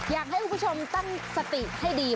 อยากให้คุณผู้ชมตั้งสติให้ดี